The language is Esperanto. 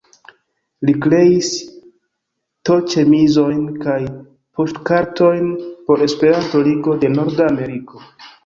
Li kreis T-ĉemizojn kaj poŝtkartojn por Esperanto-Ligo de Norda Ameriko.